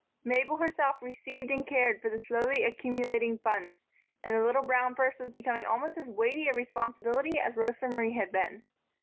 Mabel herself received and cared for the slowly accumulating funds, and the little brown purse was becoming almost as weighty a responsibility as Rosa Marie had been.